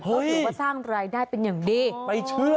หรือว่าสร้างรายได้เป็นอย่างดี